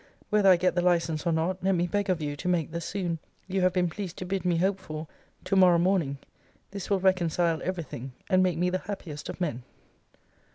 Whether I get the license, or not, let me beg of you to make the soon you have been pleased to bid me hope for, to morrow morning. This will reconcile every thing, and make me the happiest of men.